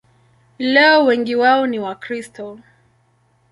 Leo wengi wao ni Wakristo.